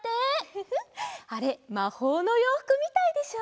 フフッあれまほうのようふくみたいでしょ？